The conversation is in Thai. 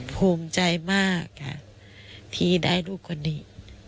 ภูมิใจมากค่ะที่ได้ลูกคนนี้